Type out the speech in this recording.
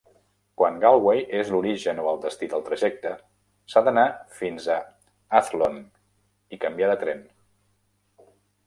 Quan Galway és l'origen o el destí del trajecte, s'ha d'anar fins a Athlone i canviar de tren.